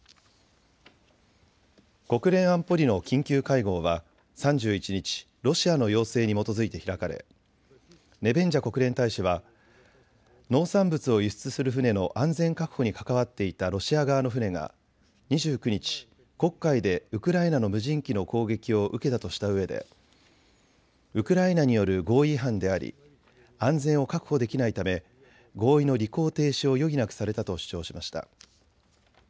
国連安保理の緊急会合は３１日、ロシアの要請に基づいて開かれネベンジャ国連大使は農産物を輸出する船の安全確保に関わっていたロシア側の船が２９日、黒海でウクライナの無人機の攻撃を受けたとしたうえでウクライナによる合意違反であり安全を確保できないため合意の履行停止を余儀なくされたと主張しました。